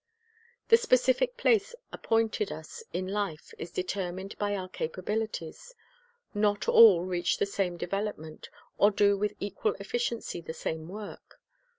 1 The specific place appointed us in life is determined by our capabilities. Not all reach the same develop ment or do with equal efficiency the same work.